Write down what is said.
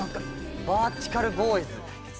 バーティカル・ボーイズ。